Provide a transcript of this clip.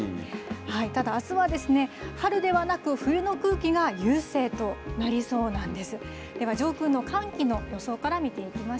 ただ、あすは春ではなく、冬の空気が優勢となりそうなんです。